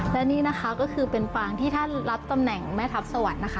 และนี่นะคะก็คือเป็นฟางที่ท่านรับตำแหน่งแม่ทัพสวรรค์นะคะ